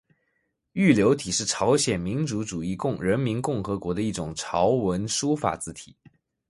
玉流体是朝鲜民主主义人民共和国的一种韩文书法字体。